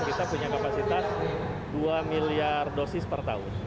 kita punya kapasitas dua miliar dosis per tahun